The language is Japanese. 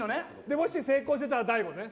もし成功してたら大悟ね。